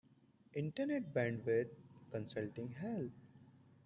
Internet bandwidth, consulting help.